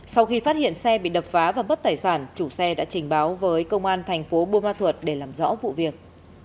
sau khi phát hiện xe bị đập phá và bất tài sản chủ xe đã trình báo với công an thành phố bumathut để làm rõ vụ việc